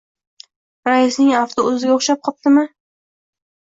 Raisning afti o‘ziga o‘xshab qoptimi?